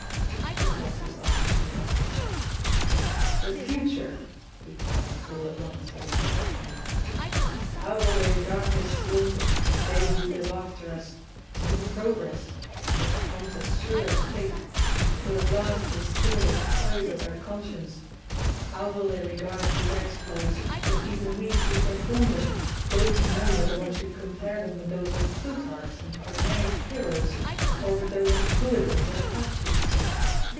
He crossed his arms and tossed his head: "The future!" he cried all at once as a prophet might. "How will they regard this slaughter, they who'll live after us, to whom progress which comes as sure as fate will at last restore the poise of their conscience? How will they regard these exploits which even we who perform them don't know whether one should compare them with those of Plutarch's and Corneille's heroes or with those of hooligans and apaches?